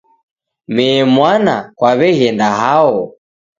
Mee mwana, kwaw'aghenda hao?